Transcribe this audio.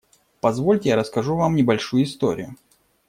Позвольте, я расскажу вам небольшую историю.